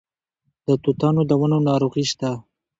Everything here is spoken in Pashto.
د توتانو د ونو ناروغي شته؟